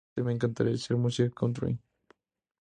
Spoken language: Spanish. Pero honestamente me encantaría hacer música country"".